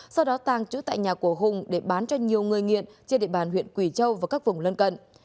sau đó tàng trữ tại nhà của hùng để bán cho nhiều người nghiện trên địa bàn huyện quỳ châu và các vùng lân cận